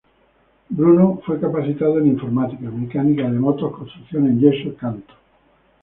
Bruno fue Capacitado en Informática, Mecánica de motos, Construcción en yeso, canto.